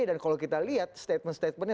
dan kalau kita lihat statement statementnya